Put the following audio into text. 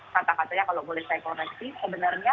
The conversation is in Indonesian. kata katanya kalau boleh saya koreksi sebenarnya